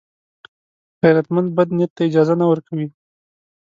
غیرتمند بد نیت ته اجازه نه ورکوي